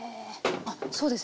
あっそうですね。